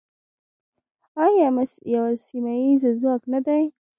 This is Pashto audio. آیا یو سیمه ییز ځواک نه دی؟